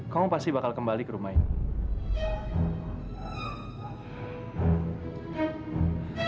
kamu pasti bakal kembali ke rumah ini